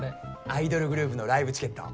アイドルグループのライブチケット。